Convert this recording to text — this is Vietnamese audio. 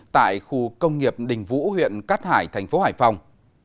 tại khu công nghiệp đình vũ huyện cát hải tp hải phòng